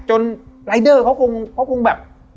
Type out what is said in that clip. รายเดอร์เขาคงแบบ